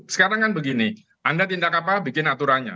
sekarang kan begini anda tindak apa apa bikin aturannya